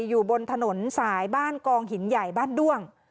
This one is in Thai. อยู่บนถนนสายบ้านกองหินใหญ่บ้านด้วง